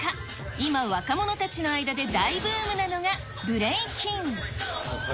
今、若者たちの間で大ブームなのが、ブレイキン。